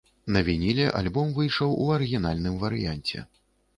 На вініле альбом выйшаў у арыгінальным варыянце.